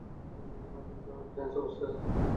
আপনি একধরনের টেন্স অবস্থায় আছেন।